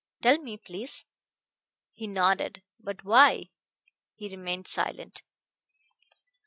Tell me, please." He nodded. "But why?" He remained silent.